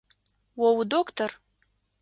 О удоктор?